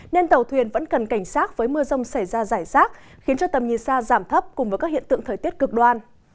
nên tàu thuyền vẫn cần cảnh sát với mưa rông xảy ra giải rác khiến cho tầm nhìn xa giảm thấp cùng với các hiện tượng thời tiết cực đoan